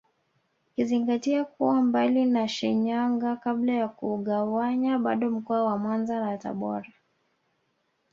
Ukizingatia kuwa mbali na Shinyanga kabla ya kugawanywa bado mkoa wa Mwanza na Tabora